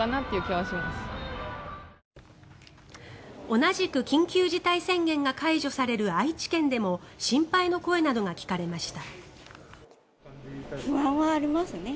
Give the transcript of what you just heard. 同じく緊急事態宣言が解除される愛知県でも心配の声などが聞かれました。